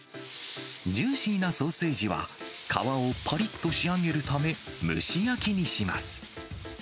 ジューシーなソーセージは、皮をぱりっと仕上げるため、蒸し焼きにします。